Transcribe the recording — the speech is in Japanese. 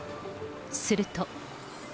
すると。